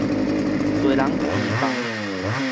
濟人病房